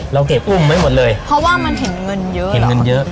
เราเก็บอุ้มไว้หมดเลยเพราะว่ามันเห็นเงินเยอะ